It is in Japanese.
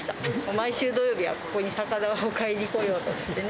毎週土曜日は、ここに魚を買いに来ようと思ってね。